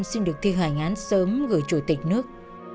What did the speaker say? xin được thi hành án sớm gửi chủ tịch nước